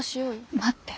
待って。